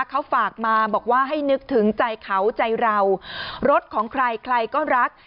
เขาฝากมาบอกว่าให้นึกถึงใจเขาใจเรารถของใครใครก็รัก